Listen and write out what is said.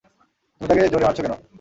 তুমি তাকে জোরে মারছো কেন?